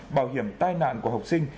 bảo hiểm tai nạn của học sinh